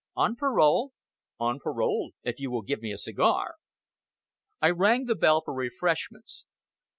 "On parole?" "On parole, if you will give me a cigar." I rang the bell for refreshments.